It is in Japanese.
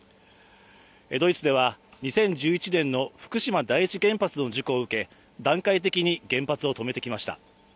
ドイツでは２０１１年の福島第一原発の事故を受け、段階的に原発を止めてきました。